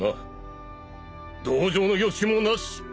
同情の余地もなし。